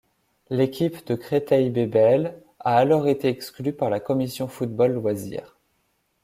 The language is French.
L'équipe de Créteil Bébel a alors été exclue par la Commission football loisir.